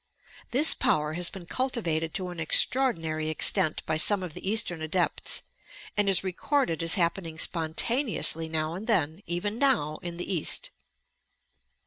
This power has been cultivated to an extraordinary extent by some of the Eastern Adepts and is recorded as liap ADVANCED STUDIES 355 peoing spoataneously now and then, even now, in the East.